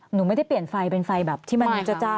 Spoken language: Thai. หนูไม่ได้เปลี่ยนไฟเป็นไฟแบบที่มันจ้า